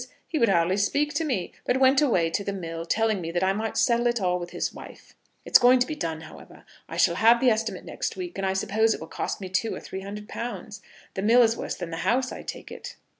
He would hardly speak to me, but went away into the mill, telling me that I might settle it all with his wife. It's going to be done, however. I shall have the estimate next week, and I suppose it will cost me two or three hundred pounds. The mill is worse than the house, I take it."